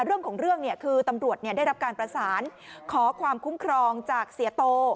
เรื่องของเรื่องเนี่ยคือตำรวจได้รับการประสานขอความคุ้มครองจากเสียโต